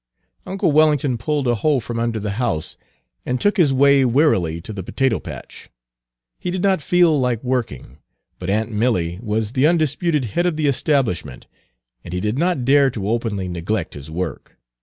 Uncle Wellington pulled a hoe from under the house, and took his way wearily to the potato patch. He did not feel like working, but aunt Milly was the undisputed head of the establishment, and he did not dare to openly neglect his work.